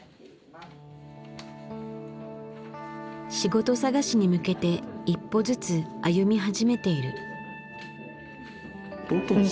仕事探しに向けて一歩ずつ歩み始めている。